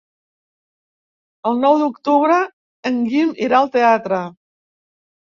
El nou d'octubre en Guim irà al teatre.